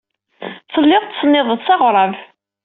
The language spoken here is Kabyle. Telliḍ tettsennideḍ s aɣrab.